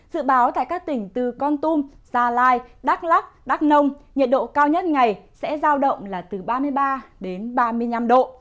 dự báo tại các tỉnh từ con tum gia lai đắk lắc đắk nông nhiệt độ cao nhất ngày sẽ giao động là từ ba mươi ba đến ba mươi năm độ